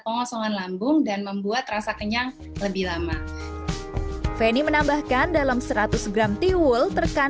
pengosongan lambung dan membuat rasa kenyang lebih lama feni menambahkan dalam seratus gram tiwul terkandung